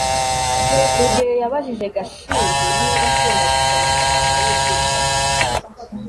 rugeyo yabajije gashinzi niba akunda gusoma amabanga yubwicanyi